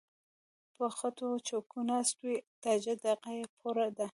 پۀ غټو چوکــــو ناست وي تاجه دغه یې پوره ده